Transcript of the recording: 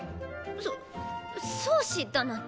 そ「相思」だなんて。